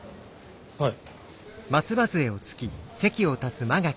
はい。